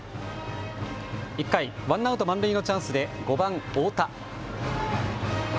１回、ワンアウト満塁のチャンスで５番・太田。